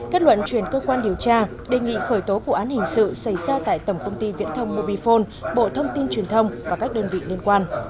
kết luận truyền cơ quan điều tra đề nghị khởi tố vụ án hình sự xảy ra tại tổng công ty viễn thông mobifone bộ thông tin truyền thông và các đơn vị liên quan